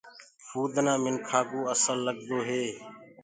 ڦُودنو منکآ ڪوُ اسل لگدو هي۔